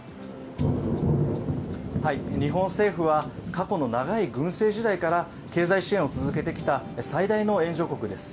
日本政府は、過去の長い軍政時代から経済支援を続けてきた、最大の援助国です。